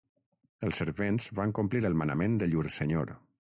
Els servents van complir el manament de llur senyor.